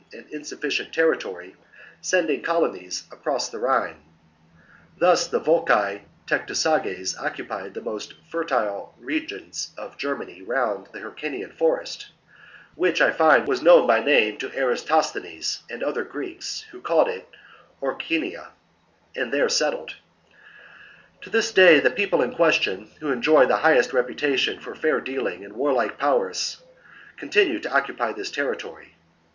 c. and insufficient territory, sending colonies across 9'"^"^'^ the Rhine. Thus the Volcae Tectosages occupied more warlike r 1 T •^ than Ger the most fertile districts of Germany round the mans: their present Hercynian forest (which, I find, was known by degeneracy, name to Eratosthenes and other Greeks, who called it Orcynia), and there settled. To this day the people in question, who enjoy the highest reputa tion for fair dealing and warlike prowess, continue to occupy this territory.